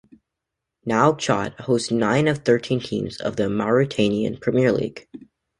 Nouakchott hosts nine of the thirteen teams of the Mauritanian Premier League.